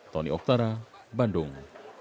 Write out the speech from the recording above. tony oktara bandung